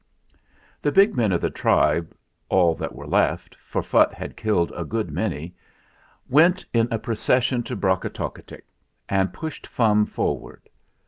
The big men of the tribe all that were left, for Phutt had killed a good many went in a procession to Brokotockotick and pushed Fum forward.